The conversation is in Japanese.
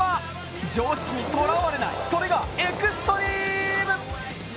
常識にとらわれない、それがエクストリーム！